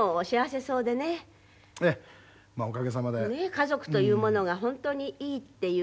家族というものが本当にいいっていう